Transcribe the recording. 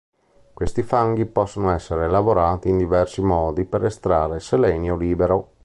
Questi fanghi possono essere lavorati in diversi modi per estrarre selenio libero.